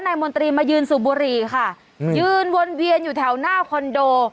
มนตรีมายืนสูบบุหรี่ค่ะยืนวนเวียนอยู่แถวหน้าคอนโด